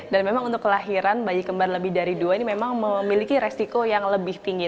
dan memang untuk kelahiran bayi kembar lebih dari dua ini memang memiliki resiko yang lebih tinggi